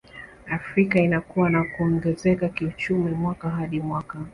Afrika inakua na kuongezeka kiuchumi mwaka hadi mwaka